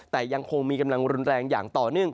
แต่ยังคงมีกำลังรุนแรงอย่างต่อเนื่อง